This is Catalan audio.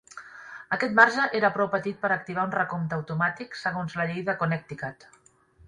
Aquest marge era prou petit per activar un recompte automàtic segons la llei de Connecticut.